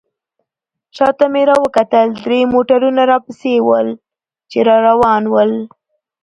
شاته مې راوکتل درې موټرونه راپسې ول، چې را روان ول.